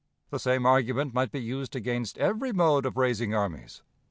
The same argument might be used against every mode of raising armies.